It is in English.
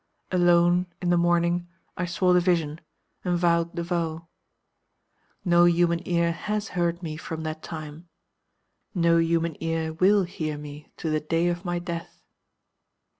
Alone, in the morning, I saw the vision, and vowed the vow. No human ear has heard me from that time. No human ear will hear me, to the day of my death.